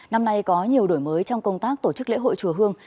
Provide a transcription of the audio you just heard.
năm nay có nhiều đổi mới trong công tác tổ chức lễ hội chùa hương